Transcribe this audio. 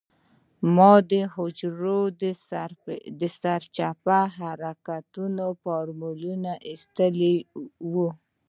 ما د حجرو د سرچپه حرکت فارموله اېستې وه.